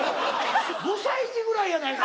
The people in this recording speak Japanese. ５歳児ぐらいやないか！